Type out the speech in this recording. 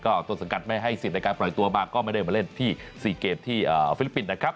ต้นสังกัดไม่ให้สิทธิ์ในการปล่อยตัวมาก็ไม่ได้มาเล่นที่๔เกมที่ฟิลิปปินส์นะครับ